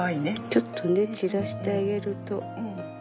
ちょっとね散らしてあげると。